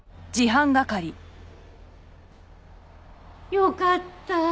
よかった！